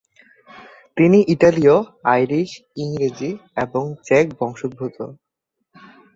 তিনি ইতালীয়, আইরিশ, ইংরেজি এবং চেক বংশোদ্ভূত।